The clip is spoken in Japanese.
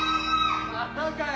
またかよ！